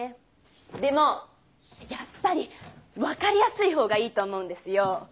でもやっぱり分かりやすい方がいいと思うんですよ。